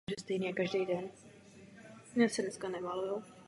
České i slovenské překlady jsou vyrobeny z ruských překladů jeho gruzínských originálů.